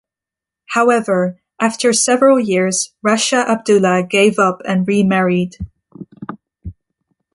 However, after several years Raja Abdullah gave up and remarried.